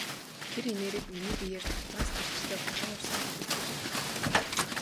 Тэр энерги миний биеэр цуснаас ч эрчтэй хурдан урсан эргэлдэж байсан.